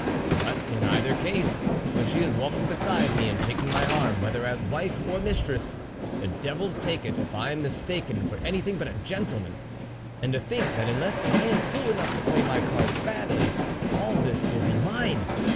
But in either case, when she is walking beside me, and taking my arm, whether as wife or mistress, the devil take it, if I am mistaken for anything but a gentleman I And to think that unless I am fool enough to play my cards badly, all this will be mine